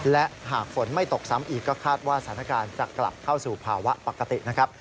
และหากฝนไม่ตกซ้ำอีกก็คาดว่าสถานการณ์จะกลับเข้าสู่ภาวะปกตินะครับ